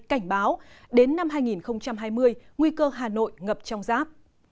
cảnh báo đến năm hai nghìn hai mươi nguy cơ hà nội ngập trong giáp